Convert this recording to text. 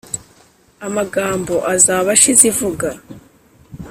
amagambo azaba ashize ivuga